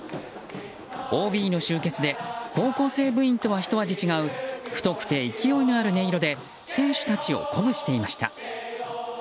ＯＢの集結で高校生部員とはひと味違う太くて勢いのある音色で選手たちを鼓舞していました。